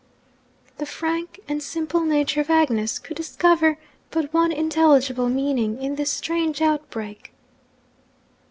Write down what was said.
The frank and simple nature of Agnes could discover but one intelligible meaning in this strange outbreak.